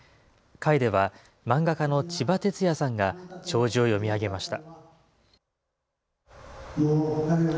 会では、漫画家のちばてつやさんが弔辞を読み上げました。